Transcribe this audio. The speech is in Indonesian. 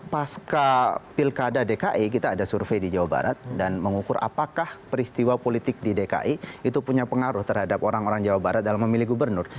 pasca pilkada dki kita ada survei di jawa barat dan mengukur apakah peristiwa politik di dki itu punya pengaruh terhadap orang orang jawa barat dalam memilih gubernur